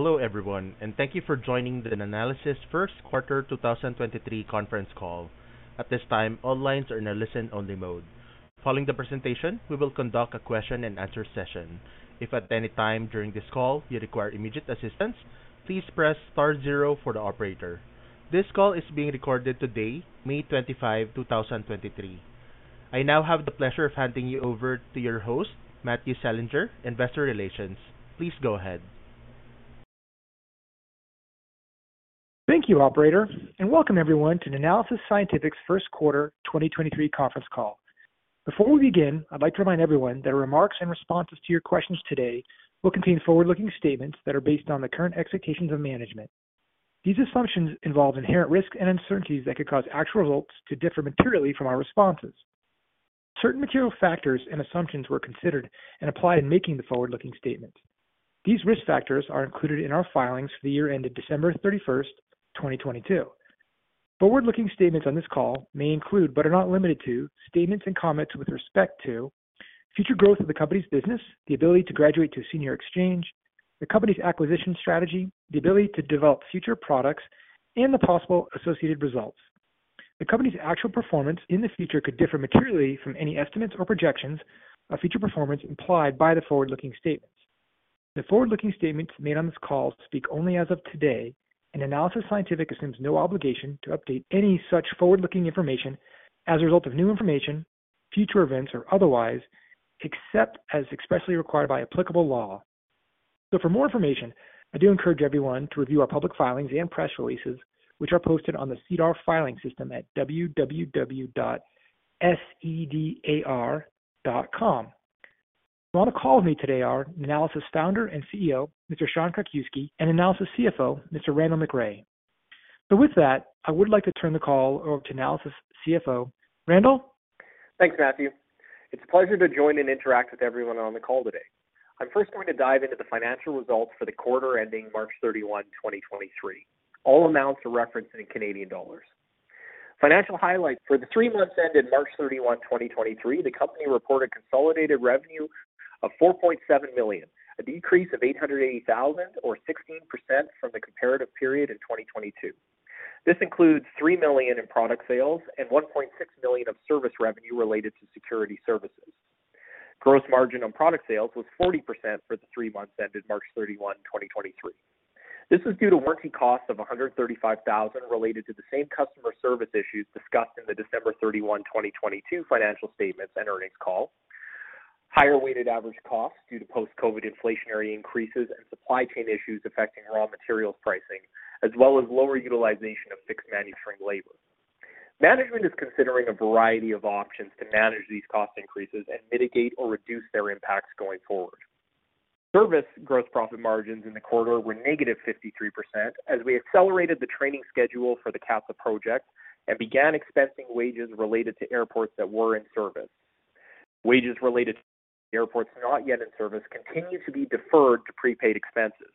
Hello, everyone, and thank you for joining the Nanalysis first quarter, 2023 conference call. At this time, all lines are in a listen-only mode. Following the presentation, we will conduct a question-and-answer session. If at any time during this call you require immediate assistance, please press star zero for the operator. This call is being recorded today, May 25, 2023. I now have the pleasure of handing you over to your host, Matthew Selinger, Investor Relations. Please go ahead. Thank you, operator. Welcome everyone to Nanalysis Scientific's first quarter 2023 conference call. Before we begin, I'd like to remind everyone that remarks and responses to your questions today will contain forward-looking statements that are based on the current expectations of management. These assumptions involve inherent risks and uncertainties that could cause actual results to differ materially from our responses. Certain material factors and assumptions were considered and applied in making the forward-looking statement. These risk factors are included in our filings for the year ended December 31st, 2022. Forward-looking statements on this call may include, but are not limited to, statements and comments with respect to future growth of the company's business, the ability to graduate to a senior exchange, the company's acquisition strategy, the ability to develop future products, and the possible associated results. The company's actual performance in the future could differ materially from any estimates or projections of future performance implied by the forward-looking statements. The forward-looking statements made on this call speak only as of today. Nanalysis Scientific assumes no obligation to update any such forward-looking information as a result of new information, future events, or otherwise, except as expressly required by applicable law. For more information, I do encourage everyone to review our public filings and press releases, which are posted on the SEDAR filing system at www.sedar.com. On the call with me today are Nanalysis Founder and CEO, Mr. Sean Krakiwsky, and Nanalysis CFO, Mr. Randall McRae. With that, I would like to turn the call over to Nanalysis CFO. Randall? Thanks, Matthew. It's a pleasure to join and interact with everyone on the call today. I'm first going to dive into the financial results for the quarter ending March 31, 2023. All amounts are referenced in Canadian dollars. Financial highlights for the three months ended March 31, 2023, the company reported consolidated revenue of 4.7 million, a decrease of 880,000 or 16% from the comparative period in 2022. This includes 3 million in product sales and 1.6 million of service revenue related to security services. Gross margin on product sales was 40% for the three months ended March 31, 2023. This is due to working costs of 135,000 related to the same customer service issues discussed in the December 31, 2022 financial statements and earnings call. Higher weighted average costs due to post-COVID inflationary increases and supply chain issues affecting raw materials pricing, as well as lower utilization of fixed manufacturing labor. Management is considering a variety of options to manage these cost increases and mitigate or reduce their impacts going forward. Service gross profit margins in the quarter were -53% as we accelerated the training schedule for the CATSA project and began expensing wages related to airports that were in service. Wages related to airports not yet in service continue to be deferred to prepaid expenses.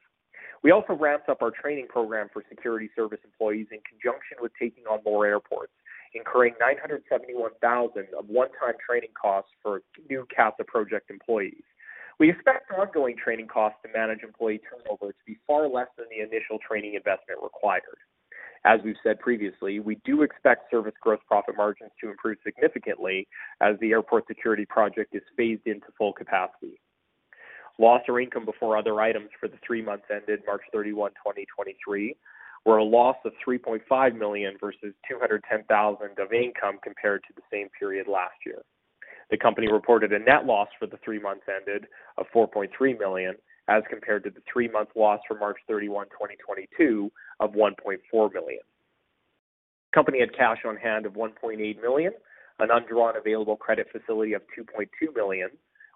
We also ramped up our training program for security service employees in conjunction with taking on more airports, incurring 971,000 of one-time training costs for new CATSA project employees. We expect ongoing training costs to manage employee turnover to be far less than the initial training investment required. As we've said previously, we do expect service gross profit margins to improve significantly as the airport security project is phased into full capacity. Loss or income before other items for the three months ended March 31, 2023, were a loss of 3.5 million versus 210,000 of income compared to the same period last year. The company reported a net loss for the three months ended of 4.3 million, as compared to the three-month loss for March 31, 2022 of 1.4 million. The company had cash on hand of 1.8 million, an undrawn available credit facility of 2.2 million,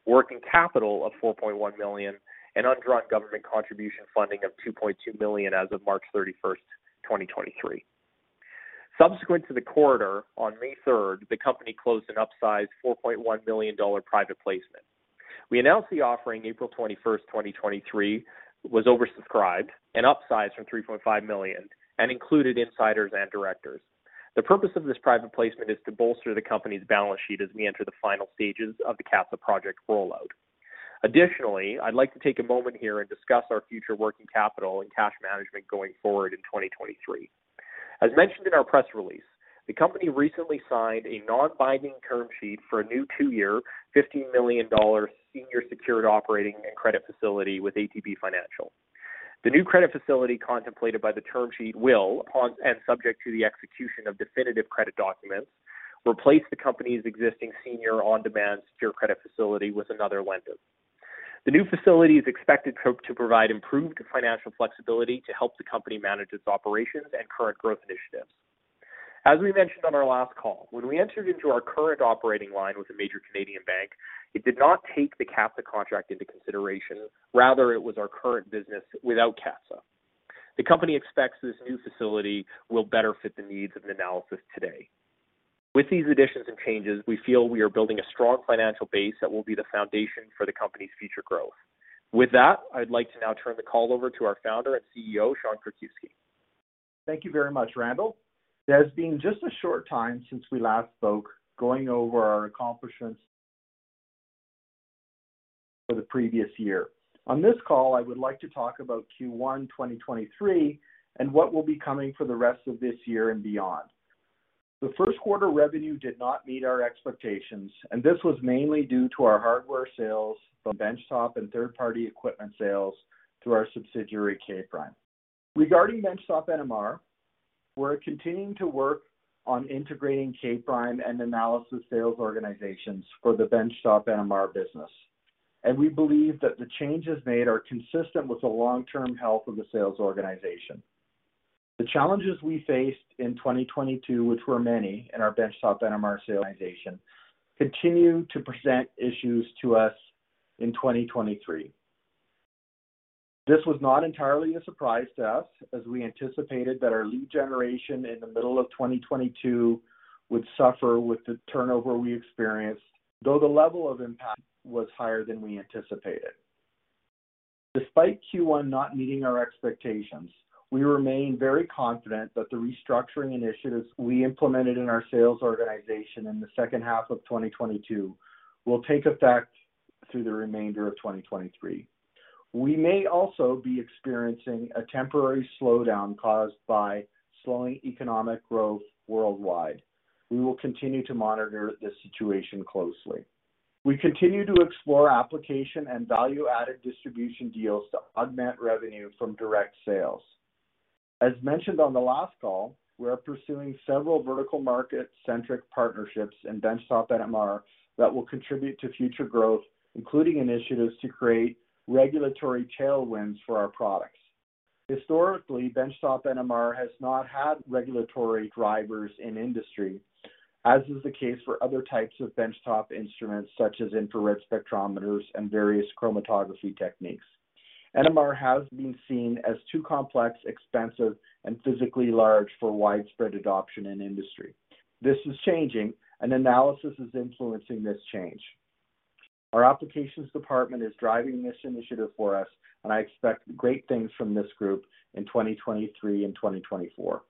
working capital of 4.1 million, and undrawn government contribution funding of 2.2 million as of March 31st, 2023. Subsequent to the quarter, on May 3rd, the company closed an upsized 4.1 million dollar private placement. We announced the offering April 21st, 2023, was oversubscribed and upsized from 3.5 million and included insiders and directors. The purpose of this private placement is to bolster the company's balance sheet as we enter the final stages of the CATSA project rollout. Additionally, I'd like to take a moment here and discuss our future working capital and cash management going forward in 2023. As mentioned in our press release, the company recently signed a non-binding term sheet for a new two-year, 50 million dollars senior secured operating and credit facility with ATB Financial. The new credit facility contemplated by the term sheet will, on and subject to the execution of definitive credit documents, replace the company's existing senior on-demand secured credit facility with another lender. The new facility is expected to provide improved financial flexibility to help the company manage its operations and current growth initiatives. As we mentioned on our last call, when we entered into our current operating line with a major Canadian bank, it did not take the CATSA contract into consideration. It was our current business without CATSA. The company expects this new facility will better fit the needs of Nanalysis today. With these additions and changes, we feel we are building a strong financial base that will be the foundation for the company's future growth. With that, I'd like to now turn the call over to our Founder and CEO, Sean Krakiwsky. Thank you very much, Randall. It has been just a short time since we last spoke, going over our accomplishments for the previous year. On this call, I would like to talk about Q1 2023, and what will be coming for the rest of this year and beyond. The first quarter revenue did not meet our expectations, and this was mainly due to our hardware sales from Benchtop NMR and third-party equipment sales through our subsidiary, K'Prime. Regarding Benchtop NMR, we're continuing to work on integrating K'Prime and Nanalysis sales organizations for the Benchtop NMR business, and we believe that the changes made are consistent with the long-term health of the sales organization. The challenges we faced in 2022, which were many, in our Benchtop NMR sales organization, continue to present issues to us in 2023. This was not entirely a surprise to us, as we anticipated that our lead generation in the middle of 2022 would suffer with the turnover we experienced, though the level of impact was higher than we anticipated. Despite Q1 not meeting our expectations, we remain very confident that the restructuring initiatives we implemented in our sales organization in the second half of 2022 will take effect through the remainder of 2023. We may also be experiencing a temporary slowdown caused by slowing economic growth worldwide. We will continue to monitor this situation closely. We continue to explore application and value-added distribution deals to augment revenue from direct sales. As mentioned on the last call, we are pursuing several vertical market-centric partnerships in Benchtop NMR that will contribute to future growth, including initiatives to create regulatory tailwinds for our products. Historically, Benchtop NMR has not had regulatory drivers in industry, as is the case for other types of benchtop instruments, such as infrared spectrometers and various chromatography techniques. NMR has been seen as too complex, expensive, and physically large for widespread adoption in industry. This is changing. Nanalysis is influencing this change. Our applications department is driving this initiative for us. I expect great things from this group in 2023 and 2024.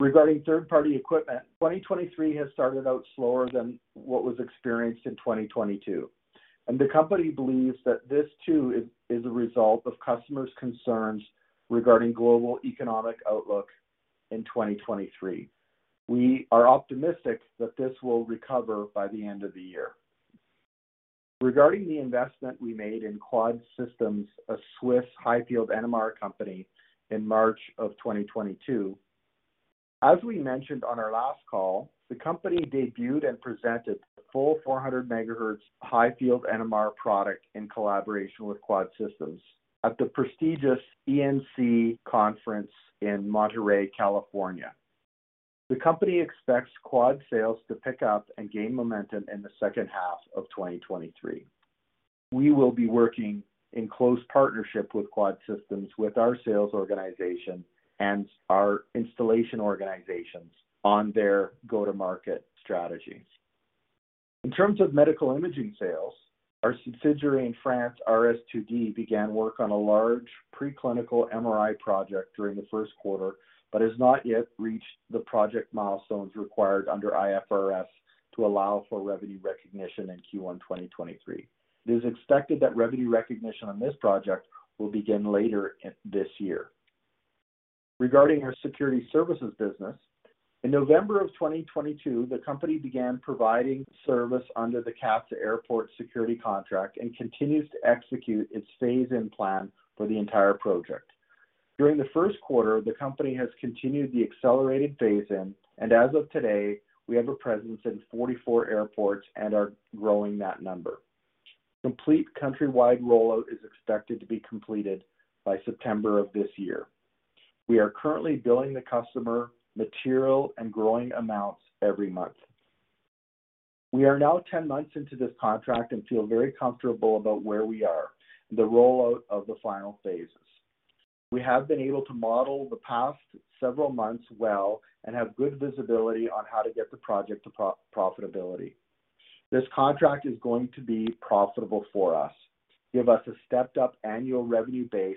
Regarding third-party equipment, 2023 has started out slower than what was experienced in 2022. The company believes that this too is a result of customers' concerns regarding global economic outlook in 2023. We are optimistic that this will recover by the end of the year. Regarding the investment we made in Quad Systems, a Swiss high-field NMR company, in March of 2022, as we mentioned on our last call, the company debuted and presented the full 400 MHz high-field NMR product in collaboration with Quad Systems at the prestigious ENC conference in Monterey, California. The company expects Quad sales to pick up and gain momentum in the second half of 2023. We will be working in close partnership with Quad Systems, with our sales organization and our installation organizations on their go-to-market strategies. In terms of medical imaging sales, our subsidiary in France, RS2D, began work on a large preclinical MRI project during the first quarter, but has not yet reached the project milestones required under IFRS to allow for revenue recognition in Q1 2023. It is expected that revenue recognition on this project will begin later this year. Regarding our security services business, in November of 2022, the company began providing service under the CATSA Airport Security contract and continues to execute its phase-in plan for the entire project. During the first quarter, the company has continued the accelerated phase-in, and as of today, we have a presence in 44 airports and are growing that number. Complete countrywide rollout is expected to be completed by September of this year. We are currently billing the customer material and growing amounts every month. We are now 10 months into this contract and feel very comfortable about where we are in the rollout of the final phases. We have been able to model the past several months well and have good visibility on how to get the project to profitability. This contract is going to be profitable for us, give us a stepped-up annual revenue base,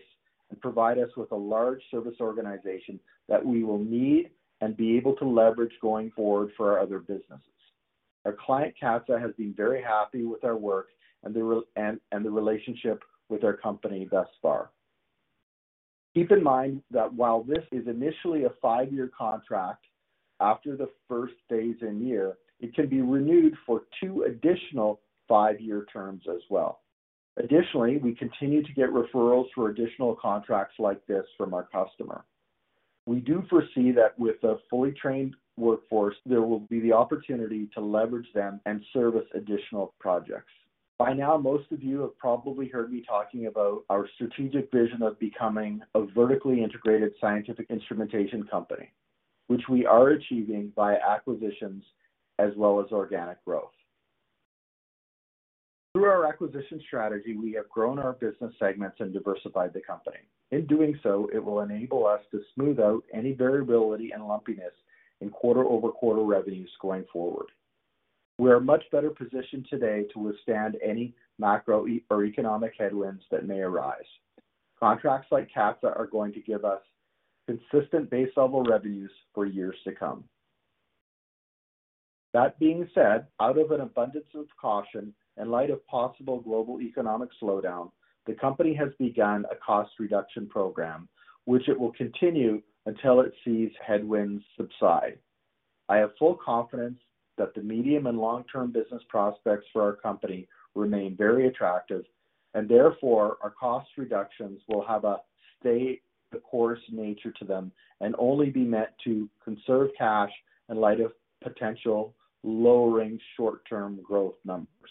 and provide us with a large service organization that we will need and be able to leverage going forward for our other businesses. Our client, CATSA, has been very happy with our work and the relationship with our company thus far. Keep in mind that while this is initially a five-year contract, after the first phase and year, it can be renewed for two additional five-year terms as well. Additionally, we continue to get referrals for additional contracts like this from our customer. We do foresee that with a fully trained workforce, there will be the opportunity to leverage them and service additional projects. By now, most of you have probably heard me talking about our strategic vision of becoming a vertically integrated scientific instrumentation company, which we are achieving by acquisitions as well as organic growth. Through our acquisition strategy, we have grown our business segments and diversified the company. In doing so, it will enable us to smooth out any variability and lumpiness in quarter-over-quarter revenues going forward. We are much better positioned today to withstand any macroeconomic headwinds that may arise. Contracts like CATSA are going to give us consistent base-level revenues for years to come. That being said, out of an abundance of caution, in light of possible global economic slowdown, the company has begun a cost reduction program, which it will continue until it sees headwinds subside. I have full confidence that the medium and long-term business prospects for our company remain very attractive. Therefore, our cost reductions will have a stay the course nature to them and only be met to conserve cash in light of potential lowering short-term growth numbers.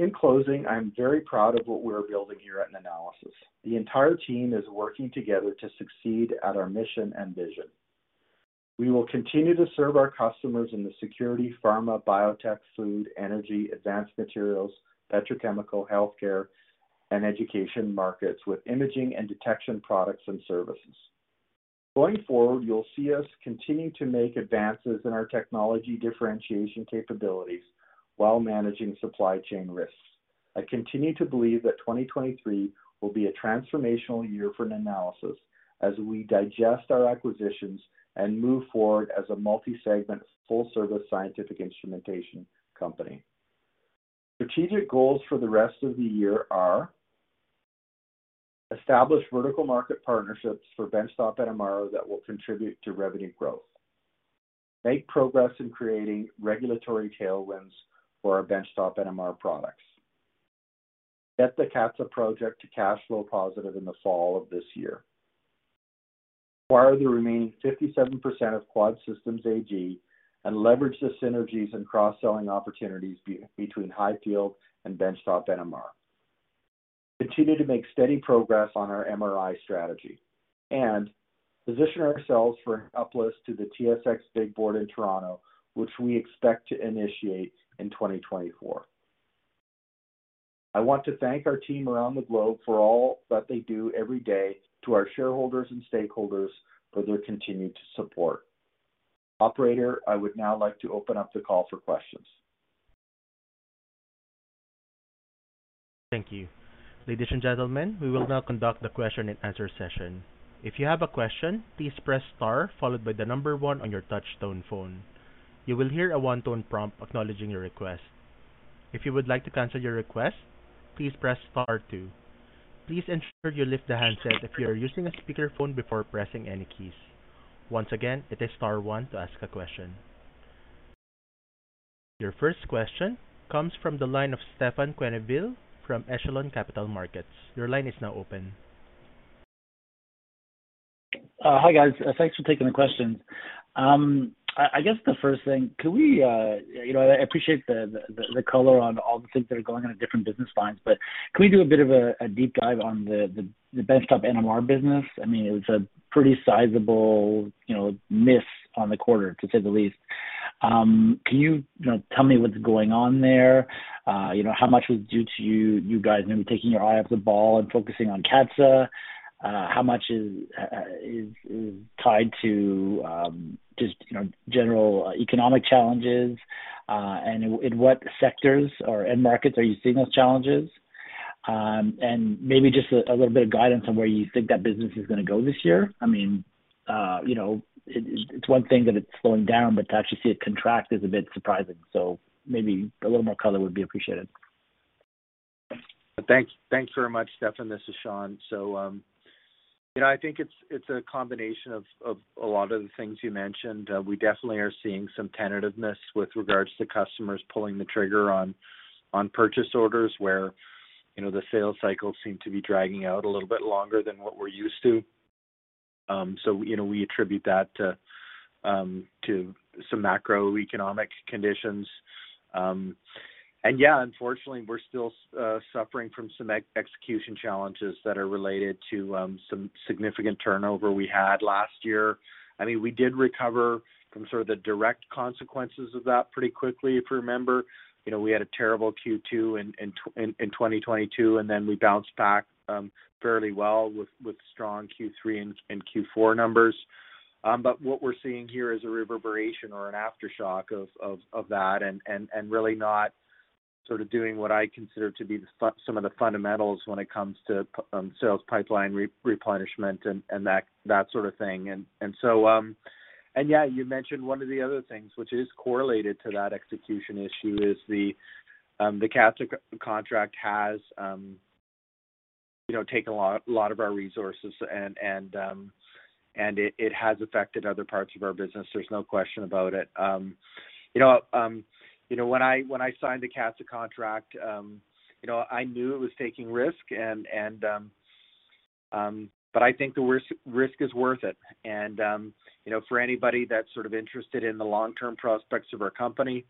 In closing, I'm very proud of what we're building here at Nanalysis. The entire team is working together to succeed at our mission and vision. We will continue to serve our customers in the security, pharma, biotech, food, energy, advanced materials, petrochemical, healthcare, and education markets with imaging and detection products and services. Going forward, you'll see us continue to make advances in our technology differentiation capabilities while managing supply chain risks. I continue to believe that 2023 will be a transformational year for Nanalysis as we digest our acquisitions and move forward as a multi-segment, full-service scientific instrumentation company. Strategic goals for the rest of the year are: establish vertical market partnerships for Benchtop NMR that will contribute to revenue growth, make progress in creating regulatory tailwinds for our Benchtop NMR products, get the CATSA project to cash flow positive in the fall of this year, acquire the remaining 57% of Quad Systems AG and leverage the synergies and cross-selling opportunities between high field and Benchtop NMR, continue to make steady progress on our MRI strategy, and position ourselves for an uplist to the TSX Big Board in Toronto, which we expect to initiate in 2024. I want to thank our team around the globe for all that they do every day, to our shareholders and stakeholders for their continued support. Operator, I would now like to open up the call for questions. Thank you. Ladies and gentlemen, we will now conduct the question and answer session. If you have a question, please press star followed by number one on your touchtone phone. You will hear a one-tone prompt acknowledging your request. If you would like to cancel your request, please press star two. Please ensure you lift the handset if you are using a speakerphone before pressing any keys. Once again, it is star one to ask a question. Your first question comes from the line of Stefan Quenneville from Echelon Capital Markets. Your line is now open. Hi, guys. Thanks for taking the questions. I guess the first thing, can we, you know, I appreciate the color on all the things that are going on in different business lines, but can we do a bit of a deep dive on the best of NMR business? I mean, it was a pretty sizable miss on the quarter, to say the least. Can you know, tell me what's going on there? You know, how much was due to you guys maybe taking your eye off the ball and focusing on CATSA? How much is tied to just general economic challenges, and in what sectors or end markets are you seeing those challenges? Maybe just a little bit of guidance on where you think that business is gonna go this year. I mean, it's one thing that it's slowing down, but to actually see it contract is a bit surprising. Maybe a little more color would be appreciated. Thanks very much, Stefan. This is Sean. I think it's a combination of a lot of the things you mentioned. We definitely are seeing some tentativeness with regards to customers pulling the trigger on purchase orders where the sales cycles seem to be dragging out a little bit longer than what we're used to. You know, we attribute that to some macroeconomic conditions. Yeah, unfortunately, we're still suffering from some ex-execution challenges that are related to some significant turnover we had last year. I mean, we did recover from the direct consequences of that pretty quickly. If you remember, we had a terrible Q2 in 2022, and then we bounced back fairly well with strong Q3 and Q4 numbers. But what we're seeing here is a reverberation or an aftershock of that, and really not doing what I consider to be some of the fundamentals when it comes to sales pipeline replenishment and that sort of thing. Yeah, you mentioned one of the other things, which is correlated to that execution issue, is the CATSA contract has taken a lot of our resources and it has affected other parts of our business. There's no question about it. You know, when I signed the CATSA contract, I knew it was taking risk and, but I think the risk is worth it. You know, for anybody that's sort of interested in the long-term prospects of our company.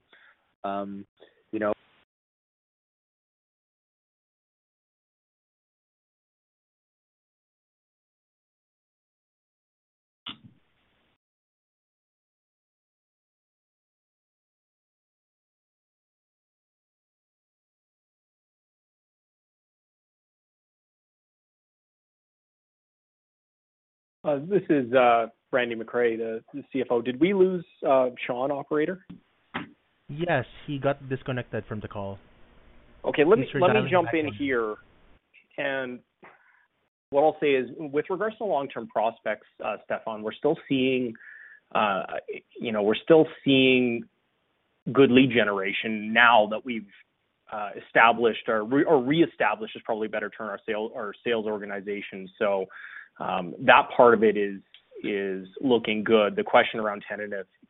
This is Randy MacRae, the CFO. Did we lose Sean, Operator? Yes, he got disconnected from the call. Let me jump in here. What I'll say is, with regards to long-term prospects, Stefan, we're still seeing good lead generation now that we've established or reestablished is probably a better term, our sales organization. That part of it is looking good. The question around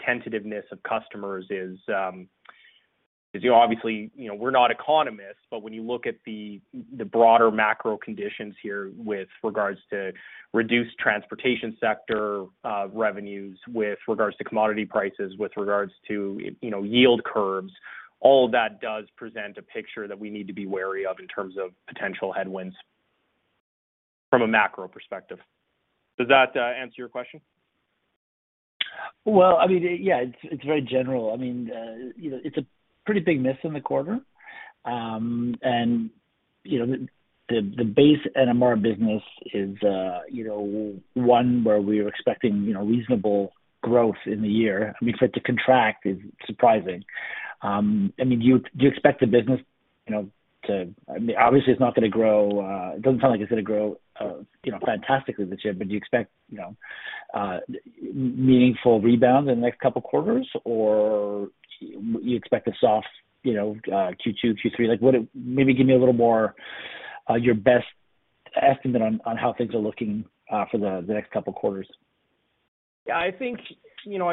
tentativeness of customers is, you know, obviously we're not economists, but when you look at the broader macro conditions here with regards to reduced transportation sector revenues, with regards to commodity prices, with regards to yield curves, all of that does present a picture that we need to be wary of in terms of potential headwinds from a macro perspective. Does that answer your question? I mean, yeah, it's very general. I mean it's a pretty big miss in the quarter. I mean the base NMR business is, one where we were expecting reasonable growth in the year. I mean, for it to contract is surprising. I mean, do you expect the business, I mean, obviously, it's not gonna grow, it doesn't sound like it's gonna grow fantastically this year, but do you expect meaningful rebound in the next couple of quarters, or you expect a soft Q2, Q3? Like, maybe give me a little more, your best estimate on how things are looking for the next couple of quarters. Yeah, I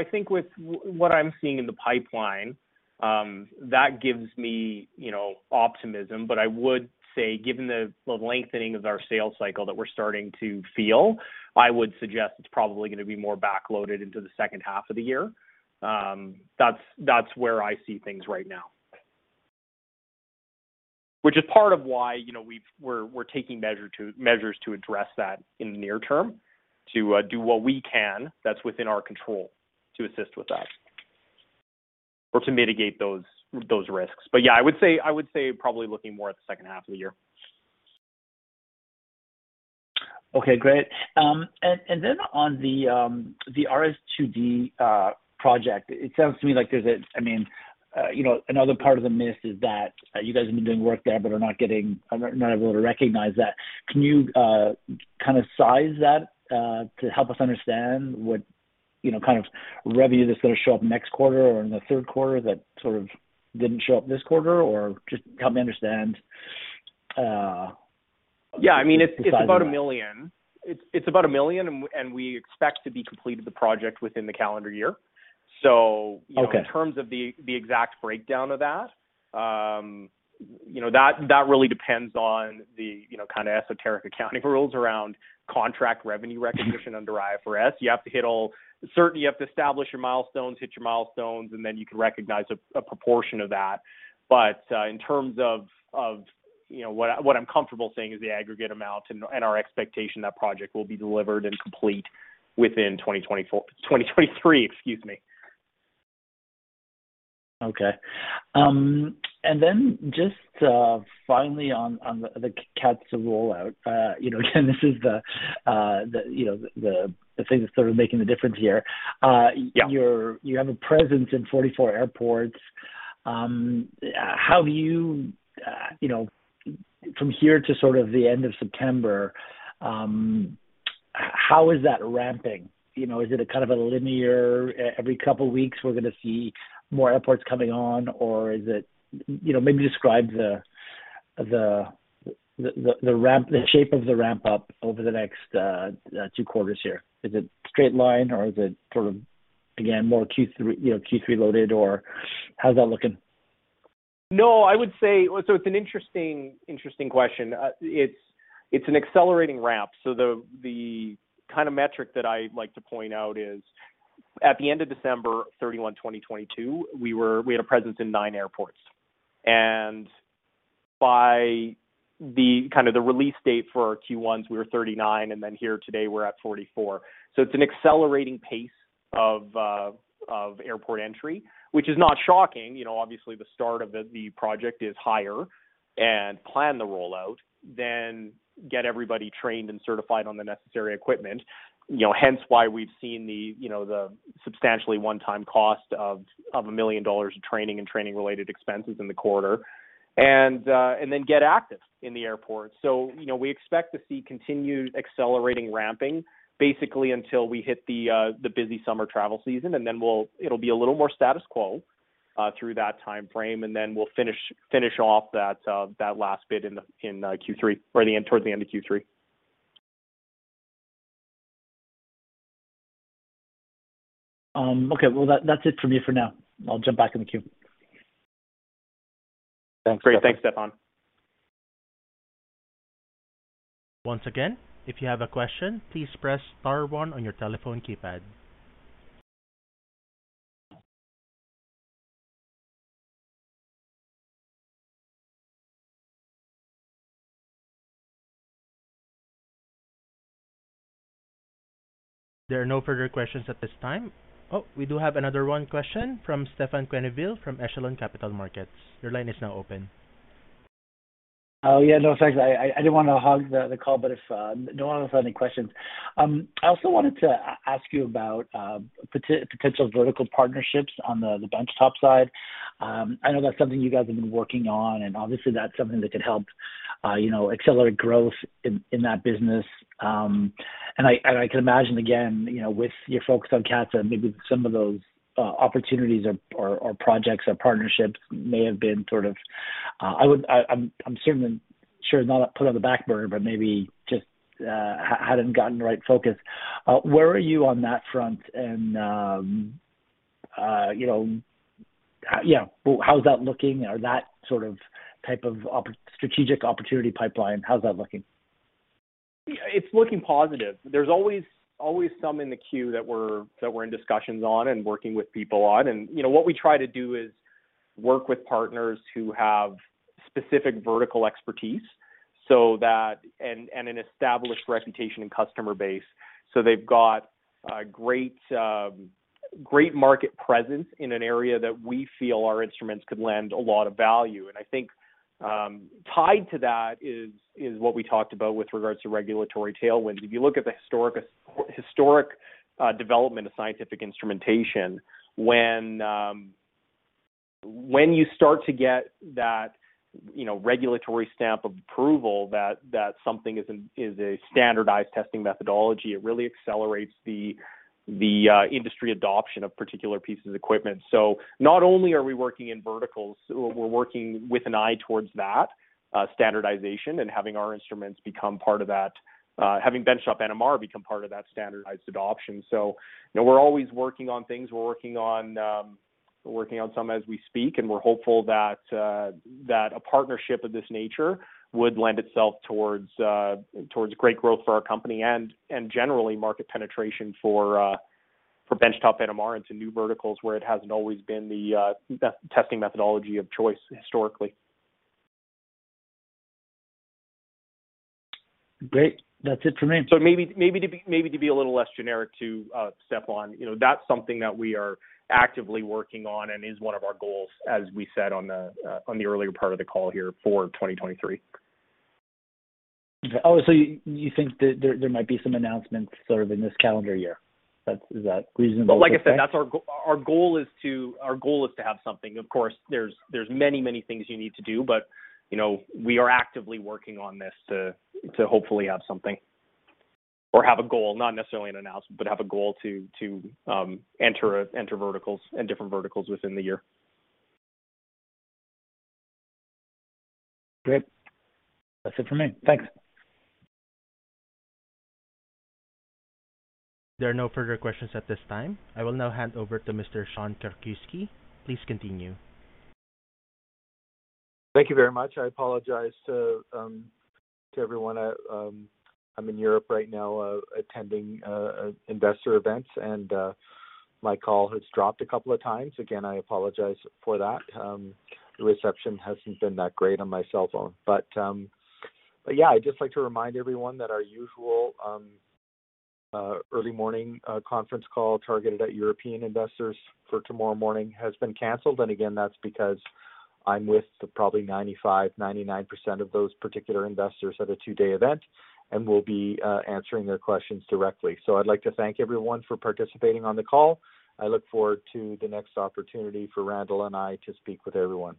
think with what I'm seeing in the pipeline, that gives me optimism. I would say, given the lengthening of our sales cycle that we're starting to feel, I would suggest it's probably gonna be more backloaded into the second half of the year. That's where I see things right now. Which is part of why we're taking measures to address that in the near term, to do what we can that's within our control to assist with that or to mitigate those risks. Yeah, I would say probably looking more at the second half of the year. Okay, great. Then on the RS2D project, it sounds to me like there's I mean another part of the miss is that you guys have been doing work there but are not getting, are not able to recognize that. Can you kind of size that to help us understand what kind of revenue that's gonna show up next quarter or in the third quarter that didn't show up this quarter, or just help me understand. Yeah, I mean. The size of that. It's about 1 million. It's about 1 million, and we expect to be completed the project within the calendar year. Okay. You know, in terms of the exact breakdown of that really depends on the esoteric accounting rules around contract revenue recognition under IFRS. You have to establish your milestones, hit your milestones, and then you can recognize a proportion of that. In terms of what I'm comfortable saying is the aggregate amount and our expectation that project will be delivered and complete within 2023, excuse me. Okay. Then just, finally on the CATSA rollout again, this is the thing that's making the difference here. Yeah. You have a presence in 44 airports. How do you know from here to sort of the end of September, how is that ramping? You know, is it a kind of a linear, every couple of weeks we're gonna see more airports coming on, or is it, maybe describe the ramp, the shape of the ramp-up over the next two quarters here. Is it straight line, or is it sort of, again, more Q3, you know, Q3 loaded, or how's that looking? No, I would say... It's an interesting question. It's, it's an accelerating ramp. The kind of metric that I'd like to point out is, at the end of December 31, 2022, we had a presence in nine airports. By the, kind of the release date for our Q1s, we were 39, and then here today, we're at 44. It's an accelerating pace of airport entry, which is not shocking. You know, obviously, the start of the project is higher and plan the rollout, then get everybody trained and certified on the necessary equipment. You know, hence why we've seen the substantially one-time cost of 1 million dollars of training and training-related expenses in the quarter, and then get active in the airport. You know, we expect to see continued accelerating ramping, basically until we hit the busy summer travel season, and then it'll be a little more status quo through that time frame, and then we'll finish off that last bit in Q3 or the end, towards the end of Q3. Okay. Well, that's it for me for now. I'll jump back in the queue. Thanks. Great. Thanks, Stefan. Once again, if you have a question, please press star one on your telephone keypad. There are no further questions at this time. Oh, we do have another one question from Stefan Quenneville, from Echelon Capital Markets. Your line is now open. Oh, yeah, no, thanks. I didn't want to hog the call, but if no one else has any questions. I also wanted to ask you about potential vertical partnerships on the benchtop side. I know that's something you guys have been working on, and obviously that's something that could help accelerate growth in that business. I can imagine, again, with your focus on CATSA, maybe some of those opportunities or projects or partnerships may have been sort of, I'm certain, sure it's not put on the back burner, but maybe just hadn't gotten the right focus. Where are you on that front? You know, how... Yeah, how's that looking? That type of strategic opportunity pipeline, how's that looking? It's looking positive. There's always some in the queue that we're in discussions on and working with people on. You know, what we try to do is work with partners who have specific vertical expertise, so that, and an established reputation and customer base. They've got a great market presence in an area that we feel our instruments could lend a lot of value. I think tied to that is what we talked about with regards to regulatory tailwinds. If you look at the historic development of scientific instrumentation, when you start to get that regulatory stamp of approval, that something is a standardized testing methodology, it really accelerates the industry adoption of particular pieces of equipment. Not only are we working in verticals, we're working with an eye towards that standardization and having our instruments become part of that, having Benchtop NMR become part of that standardized adoption. You know, we're always working on things. We're working on, we're working on some as we speak, and we're hopeful that a partnership of this nature would lend itself towards great growth for our company and generally, market penetration for Benchtop NMR into new verticals where it hasn't always been the testing methodology of choice historically. Great. That's it for me. Maybe to be a little less generic, to, Stefan, you know, that's something that we are actively working on and is one of our goals, as we said on the, on the earlier part of the call here for 2023. Oh, you think that there might be some announcements in this calendar year? Is that reasonable? Like I said, that's our goal is to have something. Of course, there's many, many things you need to do, but, you know, we are actively working on this to hopefully have something or have a goal, not necessarily an announcement, but have a goal to enter verticals and different verticals within the year. Great. That's it for me. Thanks. There are no further questions at this time. I will now hand over to Mr. Sean Krakiwsky. Please continue. Thank you very much. I apologize to everyone. I'm in Europe right now, attending investor events, and my call has dropped a couple of times. Again, I apologize for that. The reception hasn't been that great on my cell phone. Yeah, I'd just like to remind everyone that our usual early morning conference call targeted at European investors for tomorrow morning has been canceled. Again, that's because I'm with probably 95%, 99% of those particular investors at a two-day event, and we'll be answering their questions directly. I'd like to thank everyone for participating on the call. I look forward to the next opportunity for Randall and I to speak with everyone.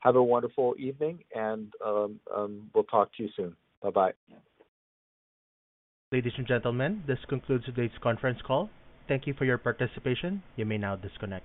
Have a wonderful evening, and we'll talk to you soon. Bye-bye. Ladies and gentlemen, this concludes today's conference call. Thank you for your participation. You may now disconnect.